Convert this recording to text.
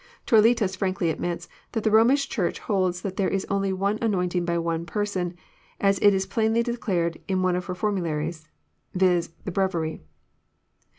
Toletas frankly admits that the Romish Chnrch holds that there was only one anointing by one person, as it is plainly de clared in one of her formularies : viz., the Breviary.